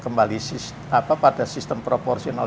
kembali pada sistem proporsional